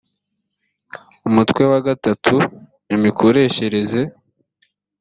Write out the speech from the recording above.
umutwe wa gatatu imikoreshereze